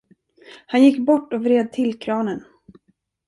Han gick bort och vred till kranen.